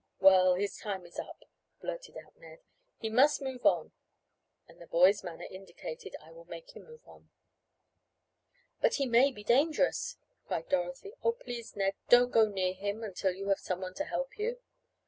Well, his time is up," blurted out Ned. "He must move on," and the boy's manner indicated, "I will make him move on." "But he may be dangerous," cried Dorothy. "Oh, please Ned, don't go near him until you have someone to help you!"